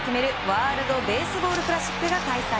ワールド・ベースボール・クラシックが開催。